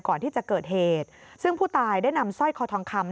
ก่อนที่จะเกิดเหตุซึ่งผู้ตายได้นำสร้อยคอทองคำ